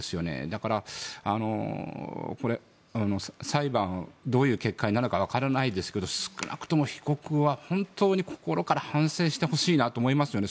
だから、裁判どういう結果になるかわかりませんが少なくとも被告は本当に心から反省してほしいなと思いますよね。